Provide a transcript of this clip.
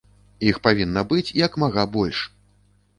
Іх павінна быць як мага больш!